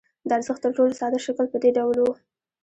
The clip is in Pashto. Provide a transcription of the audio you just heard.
د ارزښت تر ټولو ساده شکل په دې ډول وو